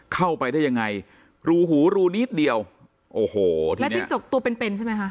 เข้าไปได้ยังไงรูหูรูนิดเดียวโอ้โหแล้วจิ้งจกตัวเป็นเป็นใช่ไหมคะ